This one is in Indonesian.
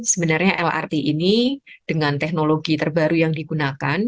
sebenarnya lrt ini dengan teknologi terbaru yang digunakan